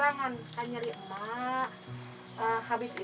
kan mama tetiak sakal itu kapus kesmasnya